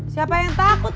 siapa yang takut